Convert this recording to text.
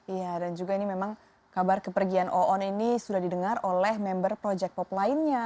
iya dan juga ini memang kabar kepergian oon ini sudah didengar oleh member project pop lainnya